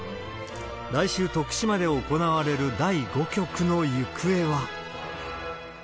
来週、徳島で行われる第５局の行方は。